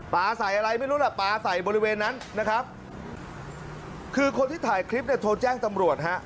ปลาใส่อะไรไม่รู้ล่ะปลาใส่บริเวณนั้นนะครับคือคนที่ถ่ายคลิปเนี่ยโทรแจ้งตำรวจฮะ